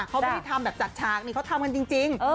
เขาไม่ได้ทำแบบจัดฉากนี่เขาทำกันจริง